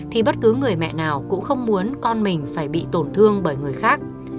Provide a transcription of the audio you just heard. thì bất cứ người mẹ nào cũng không muốn con mình phải bị tổn thương bởi người khác